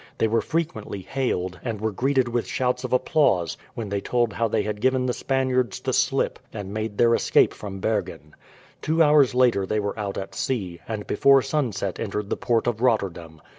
They were frequently hailed, and were greeted with shouts of applause when they told how they had given the Spaniards the slip and made their escape from Bergen. Two hours later they were out at sea, and before sunset entered the port of Rotterdam.